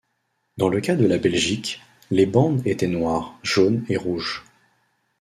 Dans le cas de la Belgique, les bandes étaient noire, jaune et rouge.